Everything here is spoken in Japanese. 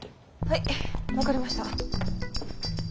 はい分かりました。